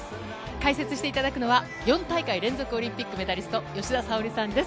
解説していただくのは、４大会連続オリンピックメダリスト、吉田沙保里さんです。